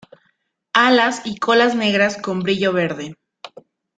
Alas y colas negras con brillo verde.